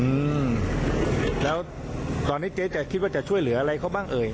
อืมแล้วตอนนี้เจ๊จะคิดว่าจะช่วยเหลืออะไรเขาบ้างเอ่ย